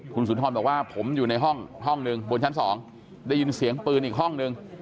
คุณสุนทรบอกว่าผมอยู่ในห้องหนึ่งบนชั้น๒ได้ยินเสียงปืนอีกห้องนึง